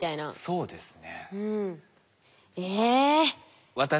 そうですね。